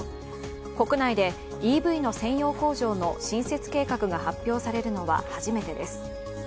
国内でＥＶの専用工場の新設計画が発表されるのは初めてです。